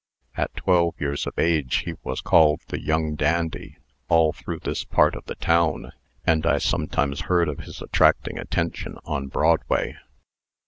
At twelve years of age, he was called the 'Young Dandy' all through this part of the town; and I sometimes heard of his attracting attention on Broadway.